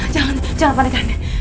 jangan jangan balik